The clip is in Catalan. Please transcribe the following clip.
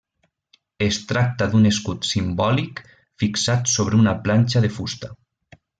Es tracta d'un escut simbòlic fixat sobre una planxa de fusta.